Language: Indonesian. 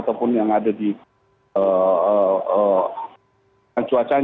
jauh lebih tinggi dibanding angka yang terperangkat di arofah ini